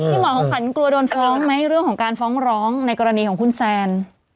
หมอของขวัญกลัวโดนฟ้องไหมเรื่องของการฟ้องร้องในกรณีของคุณแซน